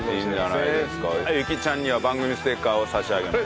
あゆきちゃんには番組ステッカーを差し上げます。